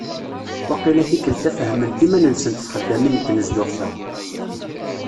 Waqila tikelt-a fahment iman-nsent txeddamin n tnezduɣt-a.